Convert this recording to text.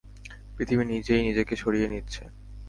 পৃথিবী নিজেই নিজেকে সারিয়ে নিচ্ছে!